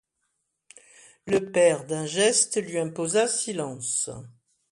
Le père, d’un geste, lui imposa silence.